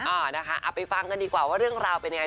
นะคะเอาไปฟังกันดีกว่าว่าเรื่องราวเป็นยังไง